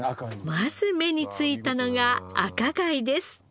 まず目に付いたのが赤貝です。